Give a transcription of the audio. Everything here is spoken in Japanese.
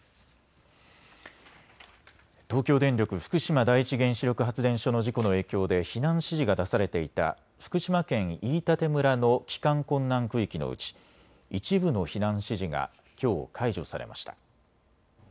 東京電力福島第一原子力発電所の事故の影響で避難指示が出されていた福島県飯舘村の帰還困難区域のうち一部の避難指示がきょう解除されました。